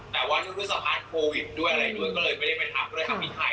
แต่ว่าด้วยสะพานโควิดด้วยอะไรด้วยก็เลยไม่ได้ไปทำก็เลยทำที่ไทย